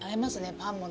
パンもね。